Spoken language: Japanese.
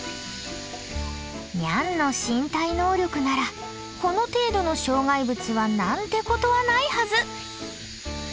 ニャンの身体能力ならこの程度の障害物は何てことはないはず！